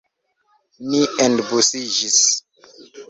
Ni enbusiĝis.